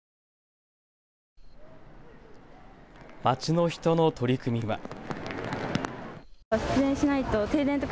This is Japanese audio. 街の人の取り組みは。